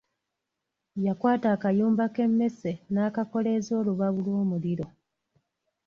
Yakwata akayumba k’emmese n’akakoleeza olubabu lw’omuliro.